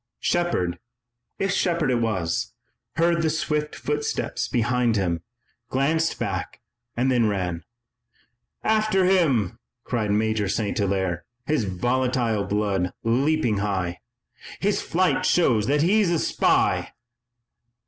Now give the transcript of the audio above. Shepard, if Shepard it was, heard the swift footsteps behind him, glanced back and then ran. "After him!" cried Major St. Hilaire, his volatile blood leaping high. "His flight shows that he's a spy!"